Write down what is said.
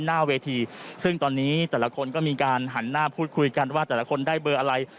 หน้าเวทีซึ่งตอนนี้แต่ละคนก็มีการหันหน้าพูดคุยกันว่าแต่ละคนได้เบอร์อะไร